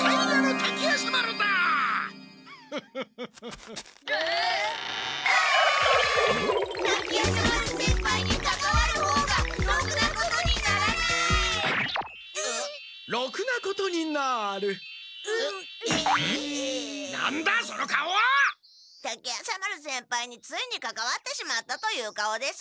滝夜叉丸先輩についにかかわってしまったという顔です。